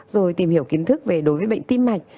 rồi tìm hiểu kiến thức về đối với bệnh tim mạch